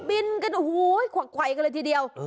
บินกันควักขวัยกันเลยทีเดียว